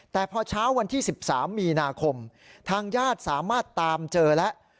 แต่พอเช้าวันที่๑๓มีนาคมทางญาติสามารถตามเจอแล้ว